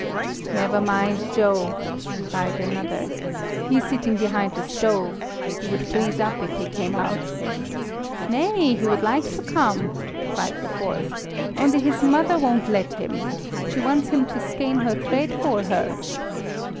"Never mind, Joe," cried another, "he is sitting behind the stove. He would freeze up if he came out." "Nay, he would like to come," cried the fourth, "only his mother won't let him. She wants him to skein her thread for her."